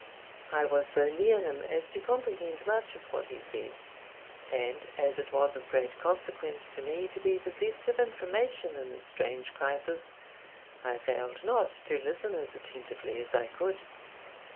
I was so near him as to comprehend much of what he said; and, as it was of great consequence to me to be possessed of information in this strange crisis, I failed not to listen as attentively as I could.